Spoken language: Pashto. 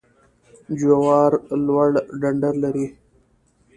جوار لوړ ډنډر لري